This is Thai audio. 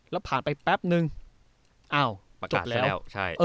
แล้วผ่านไปแป๊บนึงอ้าวจบแล้ว